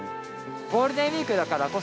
ゴールデンウィークだからこ